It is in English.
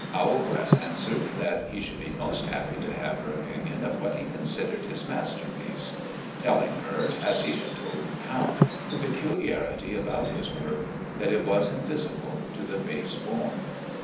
Owlglass answered that he should be most happy to have her opinion of what he considered his masterpiece, telling her, as he had told the Count, the peculiarity about his work, that it was invisible to the base born.